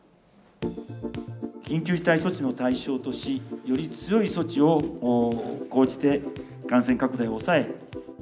緊急事態措置の対象とし、より強い措置を講じて、感染拡大を抑え。